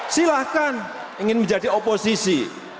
silahkan ingin menjadi oposisi